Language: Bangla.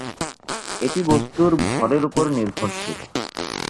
এটি বস্তুর ভরের ওপর নির্ভরশীল।